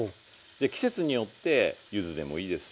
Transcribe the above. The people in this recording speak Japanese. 季節によってゆずでもいいです